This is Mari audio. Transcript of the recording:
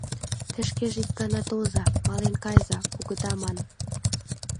— Те шкеже ик гана толза, мален кайыза, огыда ман.